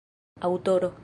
aŭtoro